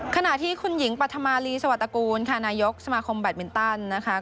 ขณะที่คุณหญิงปัฒมาลีซวัตตกูลคานายกสมาคมแบทมินตัน